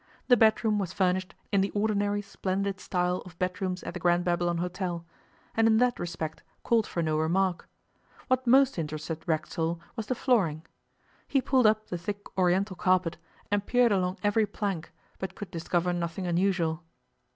The bedroom was furnished in the ordinary splendid style of bedrooms at the Grand Babylon Hôtel, and in that respect called for no remark. What most interested Racksole was the flooring. He pulled up the thick Oriental carpet, and peered along every plank, but could discover nothing unusual.